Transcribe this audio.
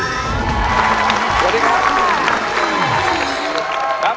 สวัสดีครับ